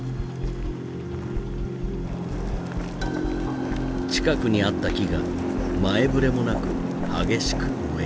近くにあった木が前触れもなく激しく燃え始めた。